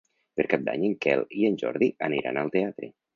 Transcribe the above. Per Cap d'Any en Quel i en Jordi aniran al teatre.